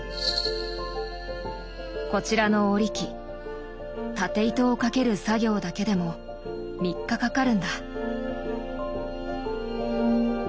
こちらの織り機経糸をかける作業だけでも３日かかるんだ。